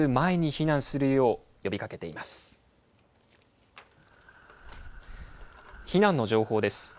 避難の情報です。